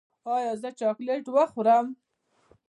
ایا زه چاکلیټ وخورم؟